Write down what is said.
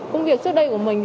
công việc trước đây của mình